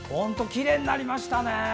きれいになりましたね。